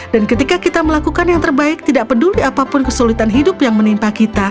dan ketika kita melakukan yang terbaik tidak peduli apapun kesulitan hidup yang menimpa kita